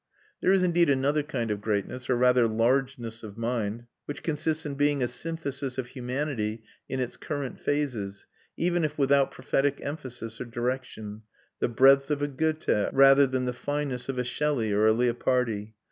There is indeed another kind of greatness, or rather largeness of mind, which consists in being a synthesis of humanity in its current phases, even if without prophetic emphasis or direction: the breadth of a Goethe, rather than the fineness of a Shelley or a Leopardi.